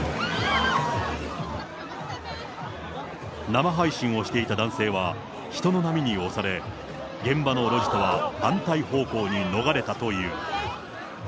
生配信をしていた男性は、人の波に押され、現場の路地とは反対方向に逃れたという。